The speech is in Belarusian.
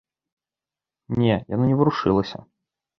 Не, яно не варушылася.